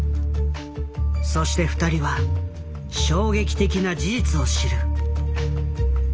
そして２人は衝撃的な事実を知る。